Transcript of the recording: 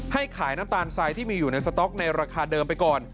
ให้ขายน้ำตาลทรายที่มีอยู่ในสต๊อกในราคาเดิมไปก่อน